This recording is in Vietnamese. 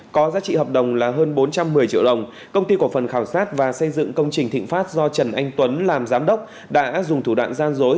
có giá trị hợp đồng là hơn bốn trăm một mươi triệu đồng công ty cổ phần khảo sát và xây dựng công trình thịnh pháp do trần anh tuấn làm giám đốc đã dùng thủ đoạn gian dối